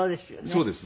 そうですね。